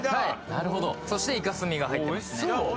なるほどそしてイカスミが入ってますね・